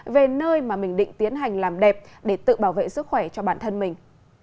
về nơi mà mình định tiến hành làm đẹp để tự bảo vệ sức khỏe cho bản thân mình